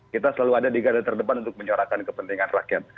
kita selalu ada di garda terdepan untuk menyuarakan kepentingan rakyat